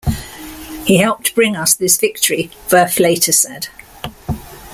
He helped bring us this victory, Wurf later said.